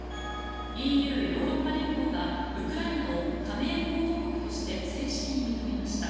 ＥＵ・ヨーロッパ連合がウクライナを加盟候補国として正式に認めました。